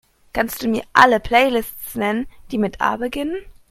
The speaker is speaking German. Kannst Du mir alle Playlists nennen, die mit A beginnen?